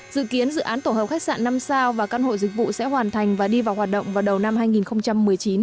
dự kiến dự án tổ hợp khách sạn năm sao và căn hộ dịch vụ sẽ hoàn thành và đi vào hoạt động vào đầu năm hai nghìn một mươi chín